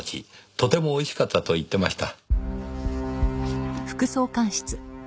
とても美味しかったと言ってました。